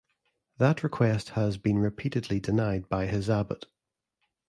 That request had been repeatedly denied by his abbot.